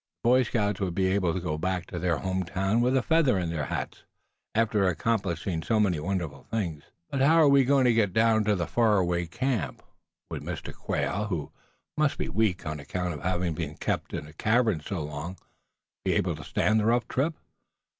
The Boy Scouts would be able to go back to their home town with a feather in their hats, after accomplishing so many wonderful things. But how were they going to get down to the faraway camp? Would Mr. Quail, who must be weak on account of having been kept in the cavern so long, be able to stand the rough trip?